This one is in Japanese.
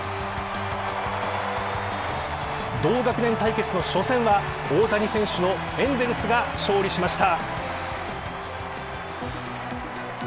同学年対決の初戦は大谷選手のエンゼルスが勝利しました。